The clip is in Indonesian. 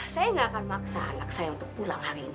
saya tidak akan maksa anak saya untuk pulang hari ini